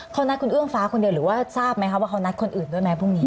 เขานัดคุณเอื้องฟ้าคนเดียวหรือว่าทราบไหมคะว่าเขานัดคนอื่นด้วยไหมพรุ่งนี้